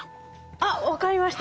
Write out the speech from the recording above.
あっ分かりました。